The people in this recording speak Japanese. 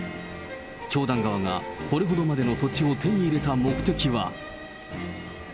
教団側がこれほどまでの土地を手に入れた目的は。